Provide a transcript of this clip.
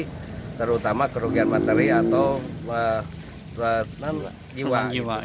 jadi terutama kerugian materi atau peran jiwa